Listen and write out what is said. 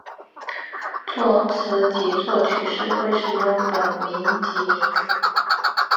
作词及作曲时会使用本名巽明子。